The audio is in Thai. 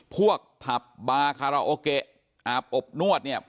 ผับบาคาราโอเกะอาบอบนวดเนี่ย